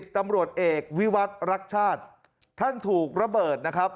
ตำรวจเอกวิวัตรรักชาติท่านถูกระเบิดนะครับ